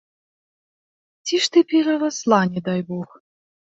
Ці ж ты перарасла, не дай бог!